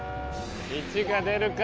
１が出るか！？